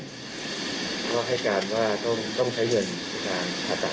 เพื่อให้การว่าต้องใช้เงินทางประตัดดูแลนะครับ